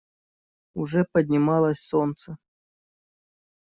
Уже поднималось солнце.